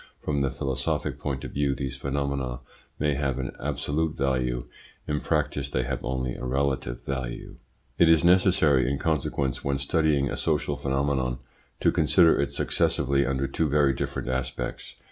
From the philosophic point of view these phenomena may have an absolute value; in practice they have only a relative value. It is necessary, in consequence, when studying a social phenomenon, to consider it successively under two very different aspects.